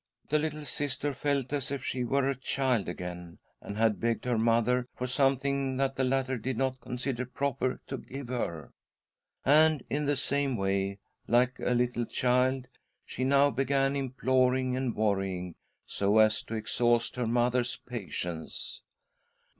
The little Sister felt as if she were a child again, and had begged her mother for something that the latter did not .consider proper to give her ; and, in the same way, like a little child, she now began imploring and worrying, so as to exhaust her mother's patience.